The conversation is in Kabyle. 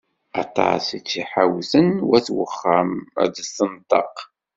Aṭas i tt-ḥiwten wat uxxam ad d-tenṭeq.